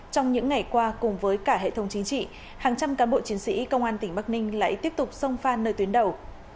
trong những ngày qua cùng với cả hệ thống chính trị hàng trăm cán bộ chiến sĩ công an tỉnh bắc ninh lại tiếp tục sông phan nơi tuyến đầu